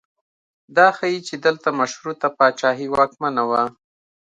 دا ښیي چې دلته مشروطه پاچاهي واکمنه وه.